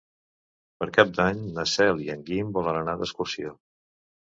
Per Cap d'Any na Cel i en Guim volen anar d'excursió.